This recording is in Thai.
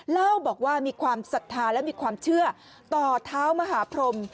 เล่าบอกว่ามีความศรัทธาและมีความเชื่อต่อเท้ามหาพรม